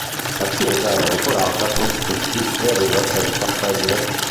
La chiesa era decorata con stucchi e aveva sei cappelle.